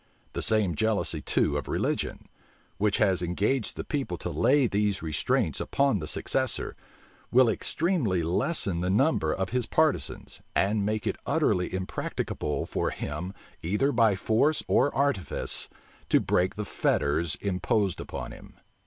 The same jealousy too of religion, which has engaged the people to lay these restraints upon the successor, will extremely lessen the number of his partisans, and make it utterly impracticable for him, either by force or artifice, to break the fetters imposed upon him.